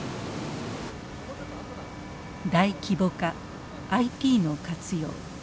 大規模化ＩＴの活用。